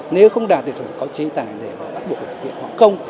nếu không đạt thì chúng ta có chế tài để bắt buộc thực hiện hoạt công